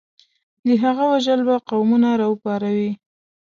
د هغه وژل به قومونه راوپاروي.